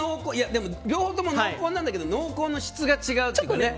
でも両方とも濃厚なんだけど濃厚の質が違う。